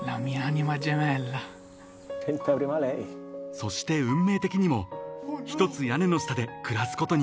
［そして運命的にも一つ屋根の下で暮らすことに］